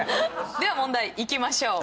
では問題いきましょう。